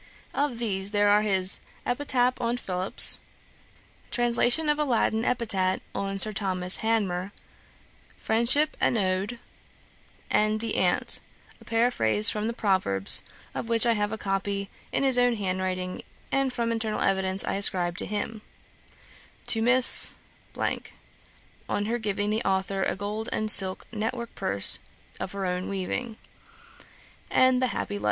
Of these, there are his 'Epitaph on Philips,'[*] 'Translation of a Latin Epitaph on Sir Thomas Hanmer,'[Dagger] 'Friendship, an Ode,'[*] and, 'The Ant,'[*] a paraphrase from the Proverbs, of which I have a copy in his own hand writing; and, from internal evidence, I ascribe to him, 'To Miss , on her giving the Authour a gold and silk net work Purse of her own weaving'; [Dagger] and, 'The happy Life.'